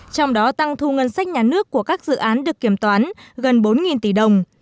trong đó tăng thu ngân sách nhà nước của các dự án được kiểm toán gần bốn tỷ đồng